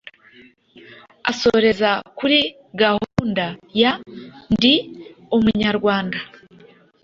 asoreza kuri gahunda ya “Ndi Umunyarwanda”.